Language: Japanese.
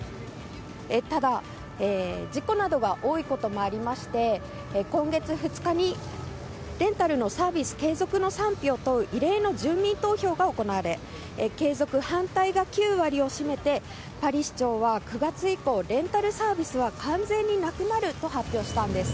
ただ、事故などが多いこともありまして今月２日にレンタルのサービス継続の賛否を問う異例の住民投票が行われ継続反対が９割を占めてパリ市長は９月以降レンタルサービスは完全になくなると発表したんです。